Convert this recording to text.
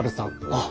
あっ。